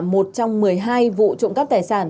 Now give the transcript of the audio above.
một trong một mươi hai vụ trộm cắp tài sản